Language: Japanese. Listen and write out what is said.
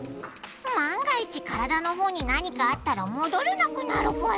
万が一体のほうになにかあったらもどれなくなるぽよ。